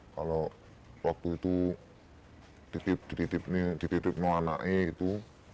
kalau waktu itu dititip ditipnya dititip no anaknya itu